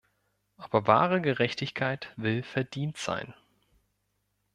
Aber wahre Gerechtigkeit will verdient sein.